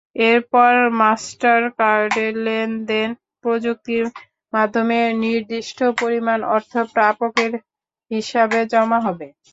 এরপর মাস্টারকার্ডের লেনদেন প্রযুক্তির মাধ্যমে নির্দিষ্ট পরিমাণ অর্থ প্রাপকের হিসাবে জমা হবে।